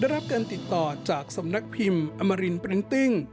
รับการติดต่อจากสำนักพิมพ์อมรินปรินติ้ง